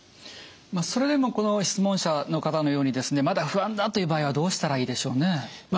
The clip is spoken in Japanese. それでもこの質問者の方のようにですねまだ不安だという場合はどうしたらいいでしょうね？